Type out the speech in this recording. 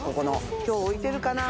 今日置いてるかな？